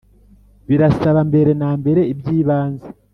Bizasaba mbere na mbere ibyibanze